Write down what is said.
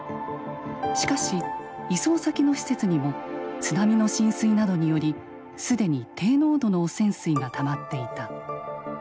しかし移送先の施設にも津波の浸水などにより既に低濃度の汚染水がたまっていた。